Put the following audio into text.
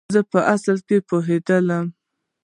په اصولو پوهېدل.